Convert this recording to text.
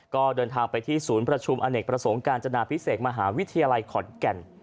ก็เดินทางไปที่ศูนย์ประชุมอเนกประสงค์การจนาพิเศษมหาวิทยาลัยขอนแก่น